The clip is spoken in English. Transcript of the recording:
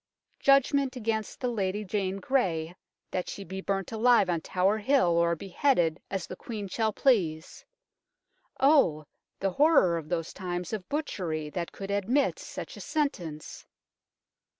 " Judgment against the Lady Jane Grey, that she be burnt alive on Tower Hill or beheaded, as the Queen shall please." Oh ! the horror of those times of butchery that could admit such a sentence